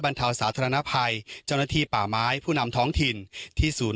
เทาสาธารณภัยเจ้าหน้าที่ป่าไม้ผู้นำท้องถิ่นที่ศูนย์